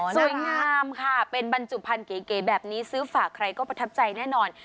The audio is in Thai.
สวยงามค่ะเป็นบรรจุภัณฑ์เก๋แบบนี้ซื้อฝากใครก็ประทับใจแน่นอน